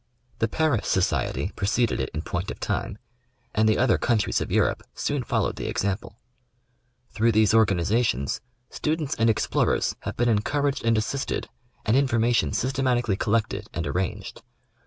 The Paris Society preceded it in point of time, and the other countries of Europe soon followed the example. Through these organizations, stu dents and explorers have been encouraged and assisted, and in formation systematically collected and arranged.